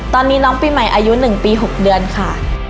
ตอนนี้น้องปีใหม่อายุ๑ปี๖เดือนค่ะ